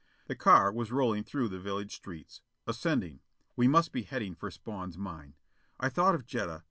The car was rolling through the village streets. Ascending. We must be heading for Spawn's mine. I thought of Jetta.